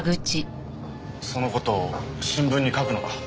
その事を新聞に書くのか？